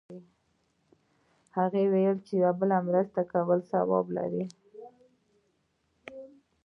هغه وایي چې د بل مرسته کول ثواب لری